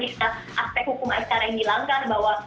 dan kita akan melihat aspek cara yang dilanggar bahwa